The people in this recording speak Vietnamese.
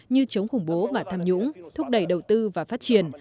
như chống khủng bố và tham nhũng thúc đẩy đầu tư và phát triển